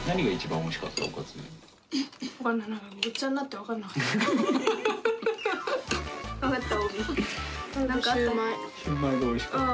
おかごっちゃになって分かんなかった。